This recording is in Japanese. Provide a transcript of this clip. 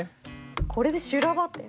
これで修羅場って。